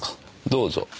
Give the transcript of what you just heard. どうぞ。